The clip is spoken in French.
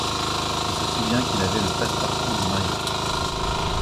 On se souvient qu’il avait le passe-partout de Marius.